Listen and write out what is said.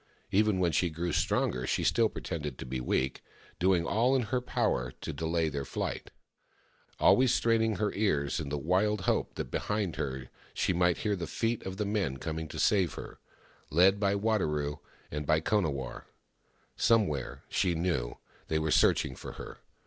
Even when she grew stronger she still pretended to be weak, doing all in her power to delay their flight— always straining her ears in the wild hope that behind her she might hear the feet of the men coming to save her — led by Wadaro and by Konawarr. Somewhere, she knew, they were searching for her.